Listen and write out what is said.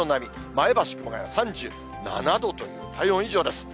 前橋、熊谷３７度という、体温以上です。